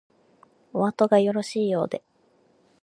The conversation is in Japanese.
おあとがよろしいようで